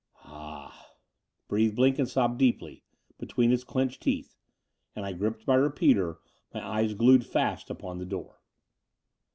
Ah," breathed Blenkinsopp deeply, between his clenched teeth ; and I gripped my repeater, my eyes glued fast upon the door.